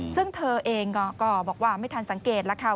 ซึ่งเธอเองก็บอกว่าไม่ทันสังเกตแล้วค่ะ